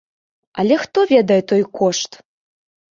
Але хто ведае той кошт?